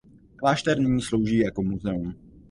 Klášter nyní slouží jako muzeum.